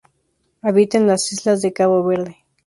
Habita en las islas de Cabo Verde.